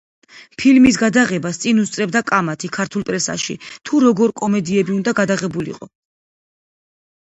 ფილმის გადაღებას წინ უსწრებდა კამათი ქართულ პრესაში, თუ როგორი კომედიები უნდა გადაღებულიყო საქართველოში.